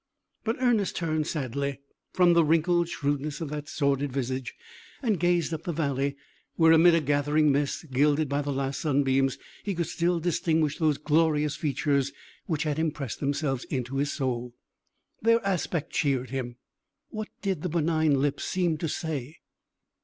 But Ernest turned sadly from the wrinkled shrewdness of that sordid visage, and gazed up the valley, where, amid a gathering mist, gilded by the last sunbeams, he could still distinguish those glorious features which had impressed themselves into his soul. Their aspect cheered him. What did the benign lips seem to say?